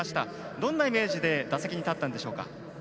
どんなイメージで打席に立ったんでしょうか。